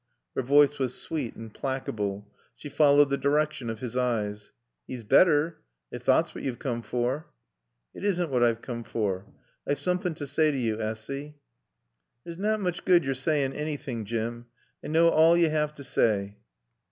Her voice was sweet and placable. She followed the direction of his eyes. "'E's better. Ef thot's what yo've coom for." "It isn' what I've coom for. I've soomthing to saay to yo', Essy." "There's nat mooch good yo're saayin' anything, Jim. I knaw all yo' 'ave t' saay."